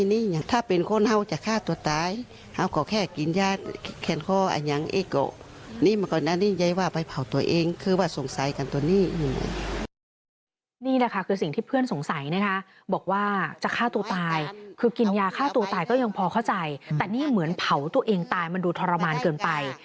นี่แหละค่ะคือสิ่งที่เพื่อนสงสัยนะคะบอกว่าจะฆ่าตัวตายคือกินยาฆ่าตัวตายก็ยังพอเข้าใจแต่นี่เหมือนเผาตัวเองตายมันดูทรมานเกินไป